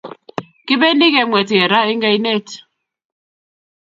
Kibendi kemwet kee raaa en oinet